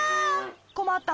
こまったわ！